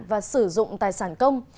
và sử dụng tài sản công